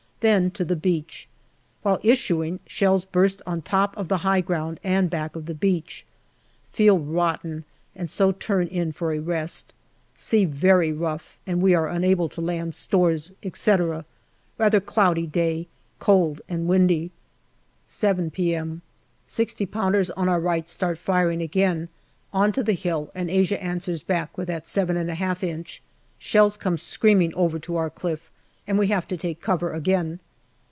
Then to the beach. While issuing, shells burst on the top of the high ground and back of the beach. Feel rotten, and so turn in for a rest. Sea very rough, and we are unable to land stores, etc. Rather cloudy day, cold and windy. 158 GALLIPOLI DIARY 7 p.m. Sixty pounders on our right start firing again on to the hill, and Asia answers back with that 7 '5 inch. Shells come screaming over to our cliff, and we have to take cover again.